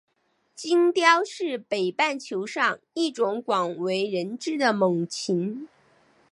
金雕是北半球上一种广为人知的猛禽。